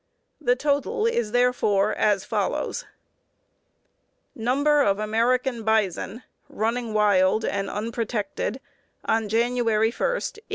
The total is therefore as follows: ++| _Number of American bison running wild || and unprotected on January 1, 1889.